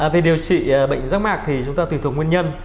về điều trị bệnh rác mạc thì chúng ta tùy thuộc nguyên nhân